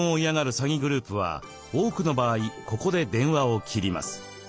詐欺グループは多くの場合ここで電話を切ります。